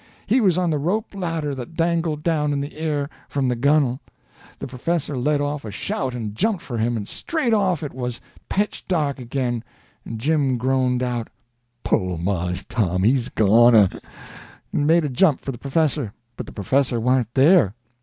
He was on the rope ladder that dangled down in the air from the gunnel. The professor let off a shout and jumped for him, and straight off it was pitch dark again, and Jim groaned out, "Po' Mars Tom, he's a goner!" and made a jump for the professor, but the professor warn't there.